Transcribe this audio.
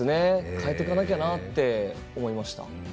変えていかなくてはなと思いました。